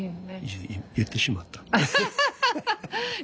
言ってしまった。